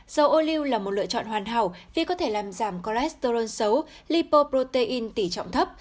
dầu ô liu là một lựa chọn hoàn hảo vì có thể làm giảm cholesterol xấu lipoprotein tỉ trọng thấp